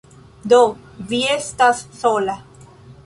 Do, vi estas sola